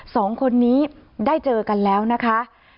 สองคนนี้ได้เจอกันแล้วนะคะ